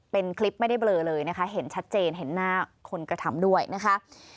เป็นคลิปไม่ได้เบลอเลยนะคะเห็นชัดเจนเห็นหน้าคนกระทำด้วยนะคะ